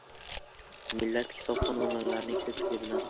Millat kitobxon onalarning ko‘pligi bilan.